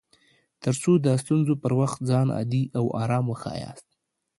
تر څو د ستونزو پر وخت ځان عادي او ارام وښياست